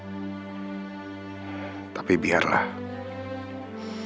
aku memang menikahi dia bukan karena cintanya